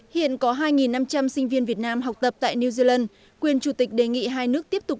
hiện có hai năm trăm linh sinh viên việt nam học tập tại new zealand quyền chủ tịch đề nghị hai nước tiếp tục